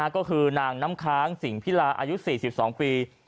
ก็คือนางน้ำค้างสิงพิลาอายุ๔๒ปี